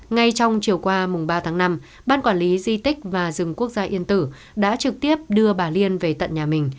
ngay trong chiều qua mùng ba tháng năm ban quản lý di tích và rừng quốc gia yên tử đã trực tiếp đưa bà liên về tận nhà mình